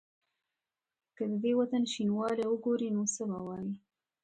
که د دې وطن شینوالی وګوري نو څه به وايي؟